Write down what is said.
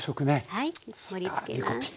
はい盛りつけます。